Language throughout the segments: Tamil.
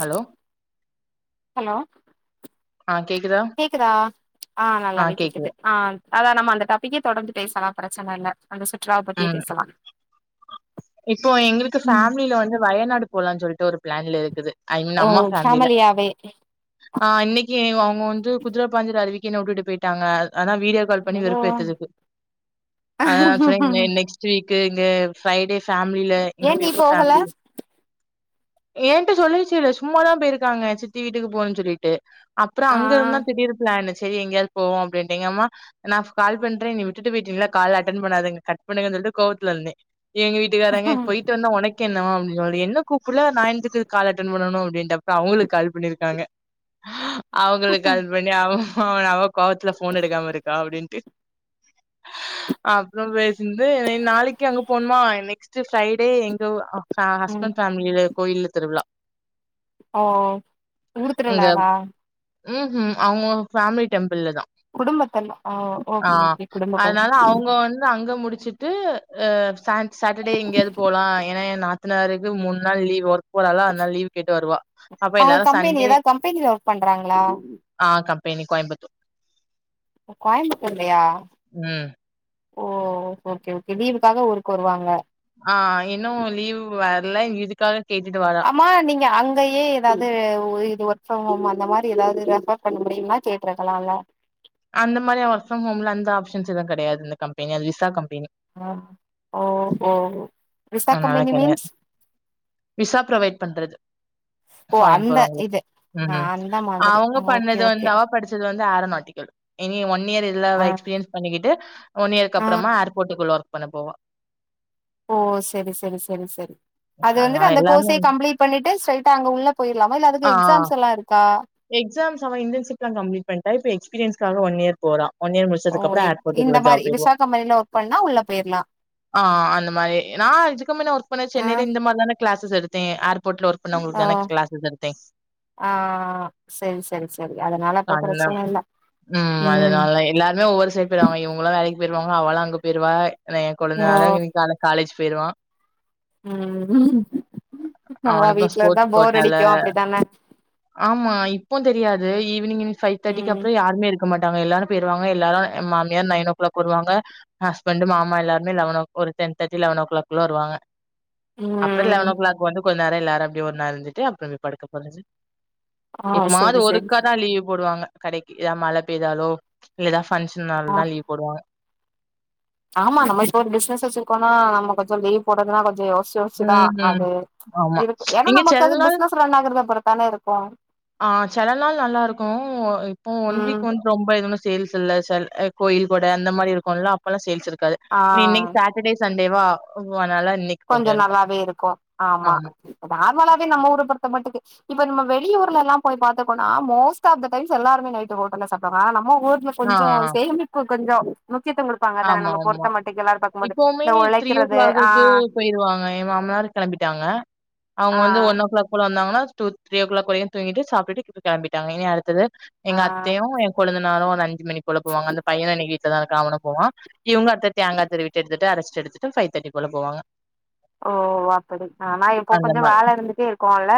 ஹலோ ஹலோ கேக்குதா? ஆ நல்லாவே கேக்குது ஆ அதா நம்ம அந்த டாபிக்கே தொடர்ந்து பேசலா பிரச்சன இல்ல. அந்த சுற்றுலாவ பத்தியே ம் பேசலா. இப்போ எங்களுக்கு ம் ஃபேமிலில வந்து வயநாடு போலான்னு சொல் பிளான்ல இருக்குது அது ஓ நம்ம ஃபேமிலில ஃபேமிலியாவே ஆ இன்னக்கி அவுங்க வந் து குதிர பாஞ்சர் அருவிக்கி என்ன உட்டுட்டு போயிட்டாங்க. ஆனா வீடியோ கால் பண்ணி ஓ வெறுப்பு ஏத்துறதுக்கு அதா சொன்னே நெ நெக்ஸ்ட் வீக் கு இங்க ஃப்ரைடே ஃபேமிலில இன்னு ஏன் நீ [unintelligible] போகல ஃபேமிலி ஏன்ட்ட சொல்லிச்சுல சும்மாதா போயிருக்காங்க சித்தி வீட்டுக்கு போறனு சொல்லிட்டு அப்றோ ஆ அங்க இருந்துதா திடீர் பிளானு. செரி எங்கயாது போவோ அப்டின்ட்டு எங்கம்மா நா கால் பண்றே என்ன விட்டுட்டு போய்ட்டீங்களா கால் அட்டன் பண்ணாதீங்க கட் பண்ணுங்கன்னு சொல்ட்டு கோவத்துல இருந்தே எங்க வீட்டுக்காரங்க போயிட்டு வந்த உனக் கென்னவா அப்டின்னு சொன்னாப்டி என்ன கூப்புட்ல நா என்த்துக்கு கால் அட்டன் பண்ணனு அப்டின்ட்டே அப்றோ அவங்களுக்கு கால் பண்ணிருக்காங்க. அவங்களுக்கு கால் பண்ணி அவங் ஹா அவ கோவத்துல ஃபோன் எடுக்காம இருக்கா அப்டின்ட்டு அப்றோ பேசிந்து இன் நாளைக்கி அங்க போணுமா நெக்ஸ்ட் ஃப்ரைடே எங்க ஆ ஆ ம் ஹஸ்பண்ட் ஃபேமிலியில கோயில்ல திருவிழா ஓ ஊர்த்திருவிழாவா? ம்ஹும் அவங்க ஃபேமிலி டெம் பிள்லதா குடும்பத்துல ஓ ஆ ஓகே ஓகே குடும்ப கோலம். அதனால அவங்க வந்து அங்க முடிச்சுட்டு ஆ சாட் டர்டே எங்கயாது போலா ஏன்னா ஏ நாத்தனாருக்கு மூணு நாள் லீவ் ஒர்க் போறாளா அதனால லீவ் கேட்டு வருவா அப்ப அவங்க எல்லாரு கம்பெனி சண்டே ஏதாவது கம்பெனில ஒர்க் பண்றாங்களா ஆ கம் பெனி கோயம்புத்தூர் ஓ கோயம்புத்தூர்லயா? ம். ஓ ஓகே ஓகே லீவுக்காக ஊருக்கு வருவாங்க இல்ல இதுக்காக கேட்டுட்டு வரா. ஆமா நீங்க அங்கயே ஏதாவது ஒரு இது ஒரு சோ நம்ம அந்த மாரி ஏதாவது ரெஃபர் பண்ண முடியுமான்னு கேட்ருக்கலால்ல மெஷின்ஸ்லா கெடையாது அந்த கம்பெனி அது விசா கம்பெனி. ஆ ஓஹோ அதனால கெடையாது விசா ப்ரொவைட் பண்றது ஓ ஃபாரின் அந்த போறவங்களுக்கு இது ம் ஆ ம் அந்த மாதிரி அவங்க ஓகே பண்ணது வந்து ஓகே அவ படிச்சது வந்து ஏரோநாட்டிக்கல் இனி ஒன் இயர் இதுல ஆ அவ எக்ஸ்பீரியன்ஸ் பண்ணிக்கிட்டு ஒன் இயர்க்கு ஆ அப்புறமா ஏர்போர்ட்டுக்குள்ள ஒர்க் பண்ண போவா ஓ செரி செரி செரி செரி. அது வந்துட்டு அதனால அந்த எல்லாமே கோர்ஸே கம்ப்ளீட் பண்ணிட்டு ஸ்ட்ரைட்டா அங்க உள்ள போயிரலாமா இல்ல அதுக்கு ஆ எக்ஸாம்ஸ் எல்லா இருக்கா? எக்ஸாம்ஸ் அவ இன்டர்ன்ஷிப்லா கம்ப்ளீட் பண்ணிட்டா இப்ப எக்ஸ்பீரியன்ஸ் க்காக ஒன் இயர் போறா. ஒன் இயர் ஓ முடிச்சதுக்கு அப்றோ இந்த ஏர்போர்ட்டுக்குள்ள மாரி ஜாப் போயிருவா. விசா கம்பெனில ஒர்க் பண்ணா உள்ள போயிரலா அ அந்த மாரி நா விஜ கம்பெனில ஒர்க் பண்ணே ஆ சென்னைல இந்த மாரிதான கிளாசஸ் எடுத்தே ஏர்போர்ட்ல ஒர்க் ஓ பண்ணவங்களுக்குதான கிளாஸஸ் எடுத்தே ஆ செரி செரி செரி அதனால அப்ப பண்ண பிரச்சன இல்ல ம் அதனால எல்லாருமே ஒவ்வொரு சைடு போயிடுவாங்க இவங்கல்லா வேலைக் கி போயிருவாங்க அவளு அங்க போயிருவா ஏன்னா ஏன் ஓ கொழுந்தனாரு இன்னக்கி காலைல காலேஜ் போயிருவா ம் நம்ம அவனுக்கும் வீட்ல இருந்தா ஸ்போர்ட்ஸ் போர் கோட்டால அடிக்கு அப்டித்தான ஆமா இப்ப தெரியாது ஈவினிங் ஃபைவ் தர்டிக்கு ம் அப்றோ யாருமே இருக் க மாட்டாங்க எல்லாரு போயிருவாங்க எல்லாரு ஏன் மாமியார் நைன் ஓ கிளாக் வருவாங்க ஹஸ்பெண்ட் மாமா எல்லாருமே லெவனோ ஒரு டென் தேர்டி லெவன் ஓ கிளாக்குள்ள வருவாங்க. அப்றோ ம் லெவன் ஓ கிளாக் வந்து கொஞ்ச நேரோ எல்லாரு அப்டியே ஒரு நேரோ இருந்துட்டு அப்றோ போய் படுக்க போறது ஆ எப்பமாது செரி செரி செரி ஒருக்கதா லீவ் போடுவாங்க கடைக்ககி எதா மழ பெய்தாலோ இல்ல பங்கஷன் ஆ நாள்னா லீவ் போடுவாங்க. சோ லீவ் போடுறதுனா கொஞ்சம் யோசிச் சு யோசிச்சுதா ம். அது ஆமா. இருக்கு ஏன்னா இங்க நமக்கு செல அது நாள் பிசினஸ் ரன் ஆகுறத பொறுத்துதானே இருக்கு ஆ செல நாள் நல்லா இருக்கு இப்போ ஒன் ம் வீக் வன்ட்டு ரொம்ப இது ஒன்னு சேல்ஸ் இல்ல செல் அ கோயில் கொட அந்த மாரி இருக்குல்ல அப்பல்லா சேல்ஸ் இருக் க்காது ஆ ஏன்னா இன்னக்கி சாட்டர்டே சண் டேவா ஒ அதனால இன்னைக்கு கொஞ்ச கொஞ்சம் இருக்கும். நல்லாவே இருக்கு ஆமா நார்மலாவே நம்ம ஊர பொறுத்தமட்டுக்கு இப்ப நம்ம வெளியூர்லல்லா போய் பாத்துருக்கோன்னா மோஸ்ட் ஆஃப் த டைம்ஸ் எல்லாருமே நைட்டு ஹோட்டல்ல சாப்டறாங்க ஆனா நம் ம ஊர்ல ஆ, கொஞ்சோ சேமிப்பு கொஞ்சோ மு க்கியத்துவோ குடுப்பாங்க அதானே ஆமா, நம்ம ஆமா. பொருத்தமட்டுக்கு எல்லாரு பாக்கும்போது இப்பவுமே இந்த உழைக்கிறது ஆ ங்க என் மாமனாரு கெளம்பிட்டாங்க. அவங்க ஆ வந்து ஒன் ஓ கிளாக் போல வந்தாங்கன்னா ஸ்டூத் த்ரீ ஓ கிளாக் வரையு தூங்கிட்டு சாப்ட்டுட்டு இப்ப கெளம்பிட்டாங்க இனி அடுத்தது ஆ எங்க அத்தையு என் கொழுந்தனாரு அஞ்சு மணி போல போவாங்க அந்த பையனு இன்னக்கி [unintelligible] போவோ இவங்க அத்த தேங்கா துருவிட்டு எடுத்துட்டு அரச்சிட்டு எடுத்துட்டு ஃபைவ் தேர்ட்டி போல போவாங்க ஓ அப்படி ஆனா இப்போ அந்த கொஞ்ச மா வேல இருந்துட்டே இருக்கோல்ல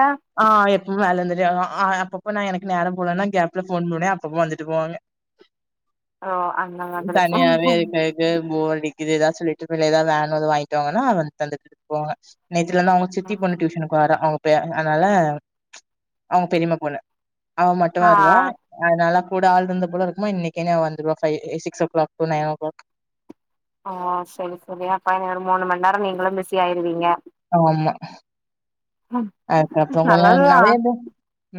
இது ஆமா ஆ அப்பப்ப நா எனக்கு நேரோ போலன்னா கேப்ல ஃபோன் பண்ணுவே அப்பப்ப வந்துட்டு போவாங்க. ஓ அந்த மாதிரி னியாவே இருக்கறக்கு போரடிக் கிது எதாச்சு [unintelligible] எதாவது ஆனது வாங்கிட்டு வாங்கன்னா வந்து தந்துட்டு போவாங்க. நேத்துல இருந்து அவுங்க சித்தி பொண்ணு டியூஷனுக்கு வரா அவு ங்க அதனால அவங்க பெரியம்மா போல அவ மட்டு ஆ வருவா அதனால கூட ஆள் இருந்தாப்புல இருக்குமா இன்னக்கி என்ன வந்துருவா ஃபைவ் எ six o'clock to nine o'clock ஓ செரி செரி அப்ப இனி ஒரு மூணு மணி நேரோ நீங்களு பிஸி ஆயிருவீங்க ஆமா அதுக்காகத்தா கொஞ்ச நேரோ நல்லதுதா நெறைய பேர்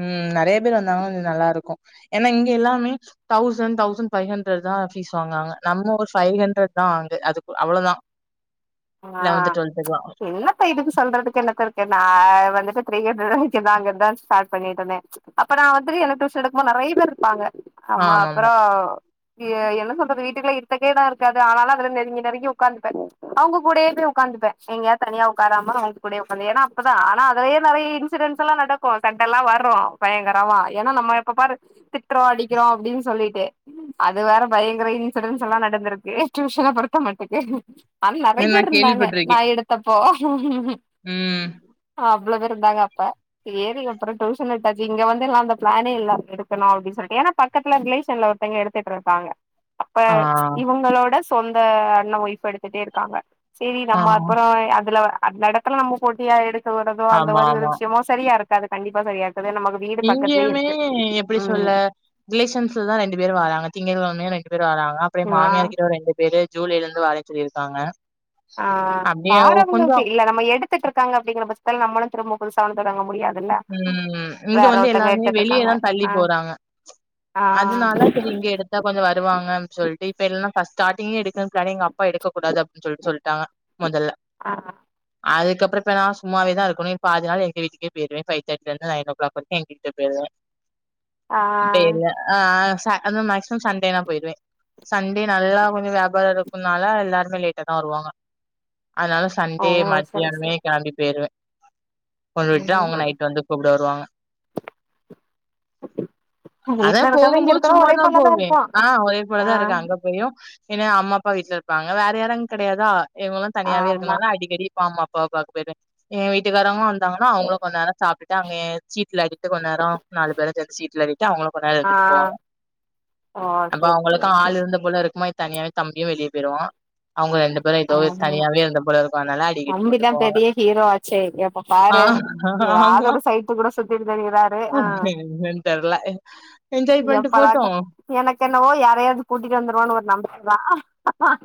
ம் ம் நெறைய பேர் வந்தாங்கன்னா கொஞ்ச நல்லா இருக்கு ஏன்னா இங்க எல்லாமே தௌசண்ட் தௌசண்ட் ஃபைவ் ஹண்ட்ரட்தா ஃபீஸ் வாங்குறாங்க நம்ம ஒரு ஃபைவ் ஹண்ட்ரட்தா வாங்குது அதுக்கு அவ்ளவுதா ஆ என்னப்பா இதுக்கு சொ ல்றதுக்கு என்னத்த இருக்கு நா வந்துட்டு த்ரீ ஹண்ட் [unintelligible] பண்ணிட்டோனே அப்ப நா வந்துதி எனக்கு டியூசன் எடுக்கும்போது நெறைய பேர் இருப்பாங்க. ஆமா ஆமாமா அப்புறோ எ என்ன சொல்றது வீட்டுக்குள்ள இரு க்கறதுக்கே எடோ இருக்காது அதனால அதுல நெருங்கி நெருங்கி உக்காந்துப்பே. அவுங்க கூடயே போய் உக்காந்துப்பே எங்கயா தனியா உக்காராம அவுங்க கூடயே உக்காந்து ஏன்னா அப்பதா ஆனா அதுலயே நெறைய இன்சிடென்ஸ் எல்லா நடக்கு சண்டல்லா வரு பயங்கரமா. ஏன்னா நம்ம எப்ப பாரு திட்றோ அடிக்கிறோ அப்டின்னு சொல்லிட்டு அது வேற பயங்கர இன்சிடென்ஸ் எல்லா நடந்திருக்கு டியூஷன பொருத்த மட்டுக்கு அது நெறைய நா பேர் இருந்தாங்க நா கேள்விப்பட்டிருக்கே எடுத்தப்போ ம் அவ்ளோ பேரு இருந்தாங்க அப்ப சேரி அப்புறோ டியூஷன் விட்டாச்சு இங்க வந்து எல்லா அந்த பிளானே இல்ல எடுக்கணு அப்டி சொல்லிட்டு ஏன்னா பக்கத்துல ரிலேஷன்ல ஒருத்தங்க எடுத்துட்ருக்காங்க. அப்ப ஆ இவங்களோட சொந்த அண்ண ஓய்ஃப் எடுத்துட்டு இரு க்காங்க செரி ஆ நம்ம அப்பறோ அதுல அந்த எடத்துல நம்ம போட்டியா எடு க்கறது அந்த ஆமா மாதிரி ஒரு விஷயமோ சரியா இருக் காது கண்டிப்பா சரியா இரு இங்கயுமே எப்டி ம் சொல்ல ரிலேஷன்ஸ்லதா ரெண்டு பேர் வாராங்க திங்கக்கெழ ம ரெண்டு பேர் வாராங்க அப்றோ ஏன் ஆ மாமியார்கிட்ட ஒரு ரெண்டு பேரு ஜூலையில இருந்து வர சொல்லியிருக்காங்க ஆஹ வாரவங்க அப்டி இல்ல நம்ம எடுத்துட்டு இருக்காங்க அப்டிங்குற பட் த்துல நம்மளு திரும்ப புதுசாவு தொடங்க முடியாது ம் இங்க வந்து எல்லாருமே இருக்காங்க வெளியதா தள்ளி ஆ போறாங்க ஆ அதனால செரி இங்க எடுத்தா கொஞ்சோ வருவாங்க அப்டி சொல்ட்டு இப்ப எல்லா ஃப்ஸ் ஸ்டாட்டிங்கே எடுக்க தானே எங்க அப்பா எடுக்கக் கூடாது அப்டின்னு சொல்ட்டு சொல் டாங்க மொதல்ல ஆ அதுக்கப்பறோ இப்ப நா சும்மாவேதா இருக்கணு பாதி நாள் எங்க வீட்டுக்கே போயிருவே ஃபைவ் தேட்டிலிருந்து நைன் ஓ கிளாக் வரைக்கு எங்க வீட்டுக்கு போயிருவ ஆ இல்ல இல்ல ஆ த அதா மேக்சிமம் சண்டேனா போயிடுவே சண்டே நல்லா கொஞ்சோ வியாபாரோ இருக் முன்னாலா எல்லாருமே லேட்டாதா வருவாங்க அதனால ஓ சண்டே சரி மத்தியானமே சரி கெளம்பி போயிருவ கொண்டுட்டு அவங்க ம் நைட் வந்து கூப்புட வருவாங்க அதா வீட்ல இருக்கறது இங்க போகும்போது இருக்கறது ஒரே சும்மாதா போலதா போவே ஆ இருக்கு இப்போ ஆ அதா இருக்கு அங்க போயு ஏன்னா அம்மா அப்பா வீட்ல இருப்பாங்க வேற யாரு அங் கெடையாதா இவங்களும் தனியாவே ஆமா இருக்கனால அடிக்கடி ஆம்மா அப்பாவ பாக்க போயிருவே எ வீட்டுக்காரங்க வந் இருந்தாங்கன்னா அவங்களு கொஞ்ச நேர சாப்புட்டுட்டு அங்கயே சீப் சீட்ல விட்டு கொஞ்ச நேரோ நாலு பேரு சேந்து சீட் விளாடிட்டு அவுங்களு கொஞ்ச நேரோ ஆ இருந்துட்டு போவாங்க ஓ அப்போ சரி அவுங்களுக்கு சரி சரி ஆள் இருந்து போல இருக்குமா தனியாவே தம்பியும் வெளிய போயிருவா அவங்க ரெண்டு பேரு ஏதோ ஆமா தனியாவே இருந்த போல இருக்கு அதனால அடிக்கடி கூட்டு தம்பிதா போவாங்க பெரிய ஹீரோ ஆச்சே எப்ப பாரு ஆஹா ஆஹா ஏதாவது ஒரு சைட்டு கூட சுத்திட்டு திரிறாரு ஆஹ என்னன்னு தெர்ல. என்ஜாய் பண்ட்டு எப்பதாக்கா போட்டும். எனக்கு என்னவோ யாரையாவது கூட்டிட்டு வந்துருவனோ ஒரு நம்பிக்க வா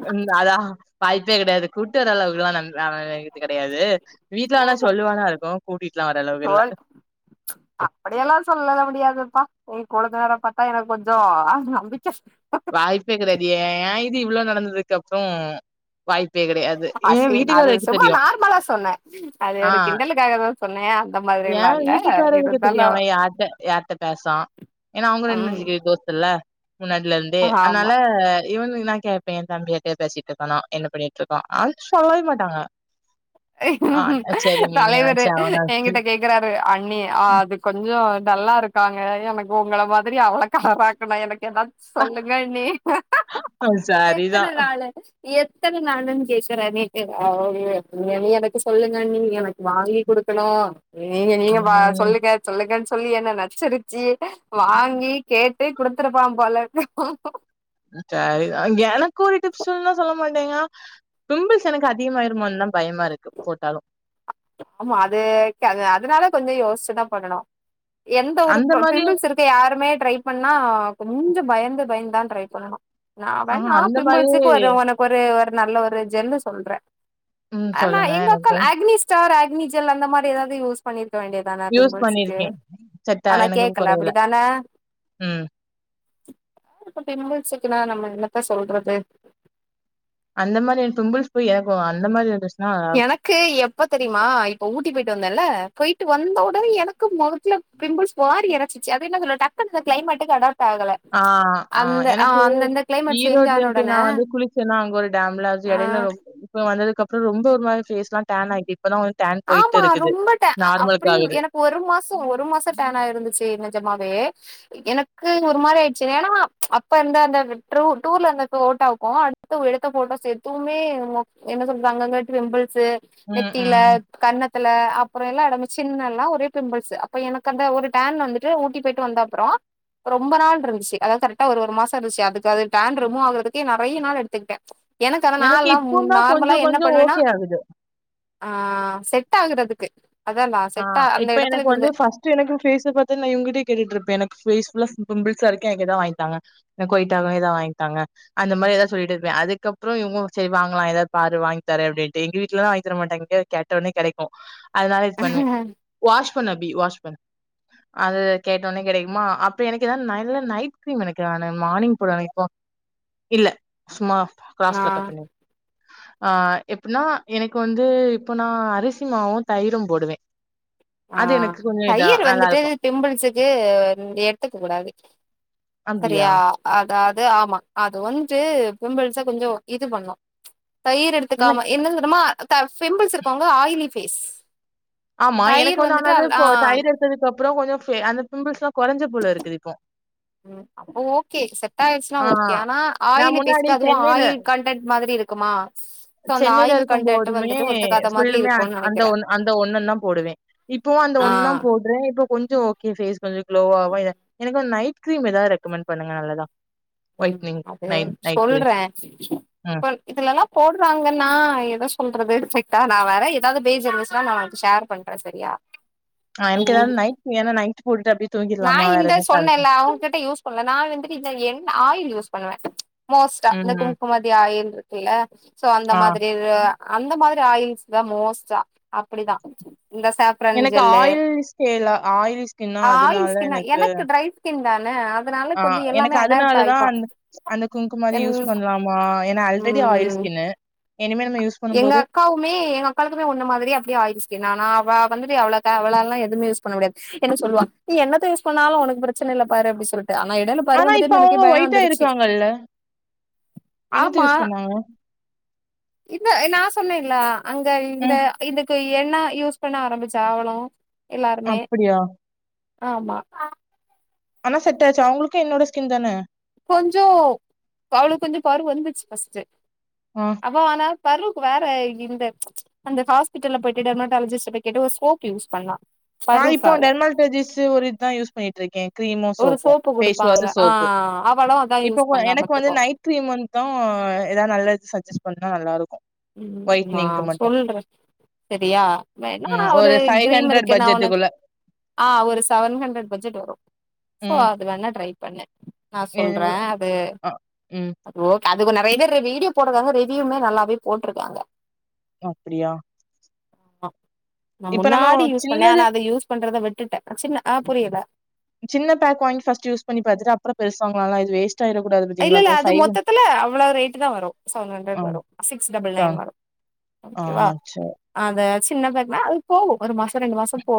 உந்து அதா வாய்ப்பே கெடையாது கூட்டு வர அளவுக்கெல்லா நம் வேற எது கெடையாது வீட்டுல வேனா சொல்லுவானா இருக்கு கூடி டுவெல்த் ம்ச் அப்டியெல்லா சொல்லலா முடியாதுப்பா உ கொழுந்துனார பாத்தா எனக்கு கொஞ்சோ ஆ நம்பிக்க வாய்ப்பே கெடையாது ஏன் இது இவ்ளோ நடந்ததுக்கப்றோ அசி அது சும்மா தெரியு நார்மலா சொன்னே அது ஒரு கிண்டலுக்காகதா சொன்னே அ ஏன் வீட்டுக்காரருக்கு தெரியு அவ யார்ட்ட யார்ட்ட பேசறா ஏன்னா ம் அவுங்க [unintelligible] தோஸ்த்தில்ல முன்னாடில இருந்து அதனால ஆமா இவன நா கேப்பே ஏன் தம்பி யார்கிட்டயாது பேசிட்ருக்கானா என்ன பண்ணிட்ருக்கா அது சொல்லவே மாட்டாங்க ஆ சேரி நீ தலைவரு என்கிட்ட கேக் கறாரு அண்ணி் அது கொஞ் சோ டல்லா இருக்காங்க எனக்கு உங்கள மாதிரி அவள கலராக்கணு எனக் எதாச்சு சொல்லுங்க அண்ணி ஆ சாரிதா எத்தன நாளு எத்தன நாளுன்னு கேக்கற நேத்து அவரு நீங்க நீங்க எனக்கு சொல்லுங்க அண்ணி எனக்கு வாங்கி குடுக்கணு நீங்க நீங்க வா ம் சொல்லுங்க சொல்லுங்கன்னு சொல்லி என்ன நச்சரிச்சு வாங்கி கேட்டு குடுத்துருப்பா போல அ சரி ஆ எனக்கு ஒரு டிப்ஸ் சொல்னா சொல்ல மாட்டீங்கா பிம்பிள்ஸ் எனக்கு அதிகமாய்ருமோன்தா பயமா இருக்கு போட்டாலு ஆமா அதுக் அது அதனால கொஞ்ச யோசிச்சுதா பண்ணனு எந்த ஒரு அந்த ப மாரி பிம்பிள்ஸ் இருக்க யாருமே ட்ரை பண் ணா கொஞ்ச பயந்து பயந்துதா ட்ரை பண்ணனு. நா ஆஹா வேண்ணா அந்த மாரி பிம்பிள்ஸுக்கு ஒரு உனக்கொரு ஒரு நல்ல ஒரு ஜெல்லு சொல்றே ம் ஆனா சொல்லுங்க எங்க அக்கா எனக்கு அக்னிஸ் வேற ஆக்னிஜெல் அந்த மாரி ஏதாவது யூஸ் பண்ணிரு க்க வேண்டியதான யூஸ் பிம்பிள்ஸுக்கு பண்ணியிருக்கேன். செட்டா ஆனா எனக்கு கேக்கல குறையல. அப்படிதான [inaudible] ம். பிம்பிள்ஸ் இருக்குனா நம்ம என்னத்த சொல்றது அந்த மாரி பிம்பிள்ஸ் போய் எனக்கு அந்த மாரி [unintelligible] இருக்கும். எனக்கு எப்ப தெரியுமா இப்ப ஊ ட்டி போய்ட்டு வந்தேன்ல போய்ட்டு வந்த ஒடனே எனக்கு மொகத் துல பிம்பிள்ஸ் வாரி எற ச்ருச்சு அது என்ன சொல்ல டக்குனு அ கிளைமேட்டுக்கு அடா ஆ ஆ எனக்கு அந்தந்த கிளைமேட் சேஞ்ச் ஈரோடுல ஆன போய் நா உடனே வந்து குளிச்சேன்னா அங்க ஒரு டேம்ல சோ ஆ எடயில ரொம் இப்ப வந்தது கப்புறோ ரொம்ப ஒரு மாரி ஃபேஸ்லா டேன் ஆயிட்டு இப்பதா வந் ஆமா ரொம்ப டே அ அப்டி ஆகுது. எனக்கு ஒரு மாசோ ஒரு மாசோ டேனா இருந்துச்சு [unintelligible] ஜமாவே எனக்கு ஒரு மாரி ஆயிட்ச்சு ஏனா அப்ப இருந்த அந்த ட்ரூ டூர்ல இருந்த ஃபோட்டாவுக்கு அடுத்து எடுத்த ஃபோட்டோஸ் எதுவுமே மொ என்ன சொல்றது அங்கங்க பிம்பிள்ஸ் ஸு ம், நெத்தில ம். கண்ணத்துல அப்புறொ எல்லா எடமு சின் எல்லா ஒரே பிம்பிள்ஸு அப்ப எனக்கு அந்த ஒரு டேன் வந்துட்டு ஊட்டி போயிட்டு வந்தப்றோ ரொம்ப நாள்ருந்துச்சு அதா கரெக்டா ஒரு ஒரு மாசொ இருந்துச்சு அதுக்கு அது டேன் ரிமூவ் ஆகுறதுக்கே நெறைய நாள் எடுத்துக்கிட்டே எனக்கனா எனக்கு நால்லாம் இப்போ தான் நார்மலா கொஞ்சம் என்ன கொஞ்சம் பண்ணுவென்னா ஓகே ஆகுது. ஆ செட் ஆகுறதுக்கு அதல்லா ஆ செட்டா அந்த இப்ப எடத்துல எனக்கு வந்து இருந்து ஃபர்ஸ்ட்டு எனக்கு ஃபேஸ பாத்த நா இவுங்கட்டயே கேட்டுட்ருப்பே எனக்கு ஃபேஸ் புல்லா பிம்புஸ்சாருக்கு எனக்கு எதா வாங்கிதாங்க எனக் ஒயிட்டாக எதா வாங்கிதாங்க அந்தமாரி எதா சொல்லிட்டேருப்பே அதுக்கப்றோ இவுங்ளுசெரி வாங்கலா எதா பாரு வாங்கித்தரே அப்டின்ட்டு எங்க வீட்லலா வாங்கி தர மாட்டா இங்க கேட்டோனே கெடைக்கு அதுனால இது பண்வே ஆ பண்ணு அப்டி வாஷ் பண் அது கேட்டொன கெடக்கிமா அப்ப எனக்கு என்ன நல்ல நைட் கிரீம் எனக்கு நானு மானிங் போட்றவைக்கு இல்ல [unintelligible] ஆ க்ராஸ்ல கட் பண்ணி உ ஆ எப்புன்னா எனக்கு வந்து இப்பொ நா அரிசி மாவு தயிரும் போடுவெ ஆ தயிர் வந்துட்டு நல்லாருக்கும். பிம்பிள்ஸுக்கு எடுத்துக்க கூடாது [unintelligible] அப்டியா? சரியா ஆத் ஆத் து ஆமா அது வந்து பிம்பிள்ஸ கொஞ்சொ இது பண்ணு தயிர் எடுத்துக்காம எனக்கு என்னது அதுமா த ஃபிம்பிள்ஸ் இருக்கவுங்க ஆயிலி ஃபேஸ் ஆமா தயிர் எனக்கு வந்து வந்துட்டு ஆ ஆனாதுப்பொ தயிர் எடுத்ததுக்கப்றோ கொஞ்ச ஃபெ அந்த பிம்பிள்ஸ்லா கொறஞ்ச பூல இருக்குது இப்போ ம் அப்ப ஓகே செட் ஆயிடுச்சுன்னா ஆ ஓகே ஆனா நா ஆயிலி முன்னாடி ஃபேஸ்க்கு அதுவு சென்னைல ஆயில் கண்டென்ட் மாதிரி இருக்குமா சோ அந்த சென்னைல ஆயில் கண்டென்ட் இருக்கும்போதுமே வந்துட்டு ஒத்துக்காத மாதிரி ஃபுல்லுமே அ இருக்குன்னு அந்த நெனைக்கிறே ஒன் அந்த ஒன்னுன்னா போடுவே இப்பவு அந்த ஒன்னுனா ஆ போட்றே இப்ப கொஞ்சொ ஓகே ஃபேஸ் கொஞ்ச க்ளோவாவுய எனக்கு நைட் க்ரீம் எதா ரெக்கமண்ட் பண்ணுங்க நல்லதா ம் ஒயிட்னிங் அது நைட் நைட் கிரீம். சொல்றே ம். பண் இதுலல்லா போட்றாங்கன்னா எத சொல்றது ஃபேக்டா நா வேற எதாது பேஜ் இருச்சுன்னா நா ஒனக்கு ஷேர் பண்றே செரியா ஆ எனக்கு ஏதாவது நைட் ஏன்னா நைட் போட்டுட்டு அப்படியே நா தூங்கிடலாமா வேற இந்த எதுவும் சொன்னேல்ல கலக்கும். அவுங் கிட்ட யூஸ் பண்ல நா வந்துட்டு இந்த என் ஆயில் யூஸ் பண்ணுவெ மோஸ்ட்டா இந்த ம். கும்குமாதி ஆயில் இல்ல சோ அந்த ஆ. மாதிரி இது அந்த மாதி ரி ஆயில்ஸ்தா மோஸ்ட்டா அப்புடிதா எனக்கு ஆயில் ஸ்கேலா ஆயில் ஸ்கின்னா அதனால எனக்கு தானே ஆவ் அ எனக்கு அதனால அப்றோம் அந்த அந்த குங்குமாதி என் யூஸ் பண்ணலாமா என்னா அல் ரெடி ஆயில் ம் ஸ்கின்னு இனிமே நம்ம யூஸ் எங்க பண்ணும்போது அக்காவுமே எங்க அக்காலுக்குமே உன்ன மாதிரி அப்படியே ஆயில் ஸ்கின் ஆனா அவப் வந்துட்டு அவ்ளக அவ்வளாள எதுமே யூஸ் பண்ண முடியாது என்ன சொல்லுவா என்னத யூஸ் பண்ணாலும் உனக்கு பிரச்சனை இல்ல பாரு அப்டி சொல் ஆனா இப்ப அவுங்க ஒயிட்டா இருக்காங்க லே என்னத்த யூஸ் பண்ணாங்க இன்ன நா சொன்னேன்ல்ல அங்க இந்த ம் இதுக்கு என்ன யூஸ் பண்ண ஆரம்பிச்சா அவளும் அப்படியா ஆமா ஆனா செட் ஆச்சு அவுங்களுக்கு என்னோட ஸ்கின் தானே கொஞ்சோ அவளுக்கு கொஞ்ச பரு வந்துச்சு ஃபஸ்டு ஆ அவ்வ ஆனா பருவுக்கு வேற இந்த அந்த ச்சு ஹாஸ்பிட்டல போயிட்டு டெர்மட்டாலஜிஸ்ட் கேட்டு ஒரு சோப் யூஸ் பண்ணா நான் இப்போ பருக்காக டெர்மல் டேஜிஸ் ஒரு இது தா யூஸ் பண்ணிற்று இருக்கேன் கிரீமும் ஒரு சோப்பும் சோப்பு பேஸ் குடுப்பாங்க வாஷ் ஆ சோப்பு அவளு அதா யூஸ் இப்பவு பண்ணா எனக்கு வந்து பாத்துக்கோ நைட் கிரீம் வந்தும் எதாவது நல்ல சஜெஸ் பண்ணா எல்லாருக்கும் ம் நான் சொல்றேன் சரியா வேன்னா ம் ஒரு ஃபைவ் ஹண்ட்ரட் கீரிமருக்கு என்ன ஆவும் னக் பட்ஜெட்டுக்குள்ள அ ஒரு செவன் ஹண்ட்ரட் பட்ஜெட் வரோம் சோ ம் அது வேணா ட்ரை பண்ண நான் எவ்ளோ சொல்றேன் அது ஆ ம் அது ஒ அதுக்கு நிறைய வீடியோ போடுறாங்க ரெவியூமே நல்லாவே போட்ருக்காங்க அப்படியா அ நா மூன்னாடி யூஸ் பண்ணேன் ஆனா சின்னது அத யூஸ் பண்றத விட் விட்டுடேன் சின்ன அ புரியல சின்ன பேக் வாங்கி ஃபஸ்டு யூஸ் பண்ணி பாத்துட்டு அப்புற பெருசு வாங்கலலேன் இது வேஸ்ட் ஆயிடக்கூடாது இல்ல பாத்தீங்களா இல்ல இப்போ அது ஃபைவ் மொத்தத்தல அவ்ள ரேட் தான் வரோம் ஆ செவன்ஹன்ரட்டு வரோம் சிக்ஸ் டபூள்நைன் அதான் வரோம் ஆ ஒகே வா சரி அத சின்ன பேக்னா இப்போ ஒ ஒரு மாசம் ரெண்டு மாசம் போ